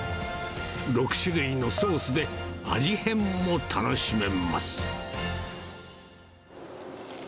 ６種類のソースで味変も楽しめます。